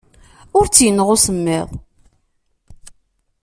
Ur t-yenɣi usemmiḍ.